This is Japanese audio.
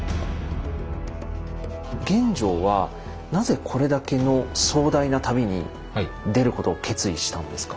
玄奘はなぜこれだけの壮大な旅に出ることを決意したんですか？